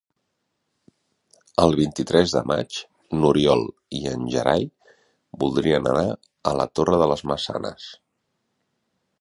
El vint-i-tres de maig n'Oriol i en Gerai voldrien anar a la Torre de les Maçanes.